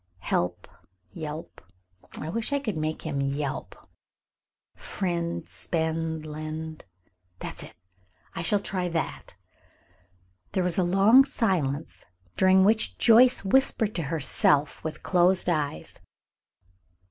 Help yelp (I wish I could make him yelp), friend spend lend, that's it. I shall try that." There was a long silence, during which Joyce whispered to herself with closed eyes.